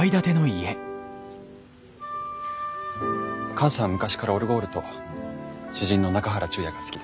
母さんは昔からオルゴールと詩人の中原中也が好きで。